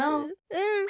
うん。